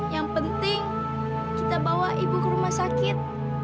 yang penting kita bawa ibu ke rumah sakit